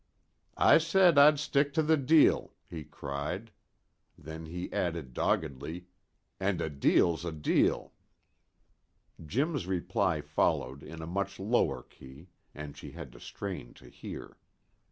"I said I'd stick to the deal," he cried. Then he added doggedly, "And a deal's a deal." Jim's reply followed in a much lower key, and she had to strain to hear.